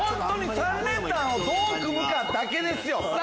３連単をどう組むかだけですよ。